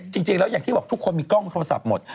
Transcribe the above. จริงแล้วอย่างที่บอกทุกคนมีกล้องโทรศัพท์หมด